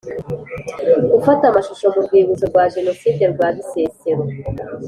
gufata amashusho mu rwibutso rwa Jenoside rwa Bisesero